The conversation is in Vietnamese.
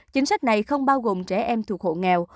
chính sách này không bao gồm trẻ em thuộc hộ nghèo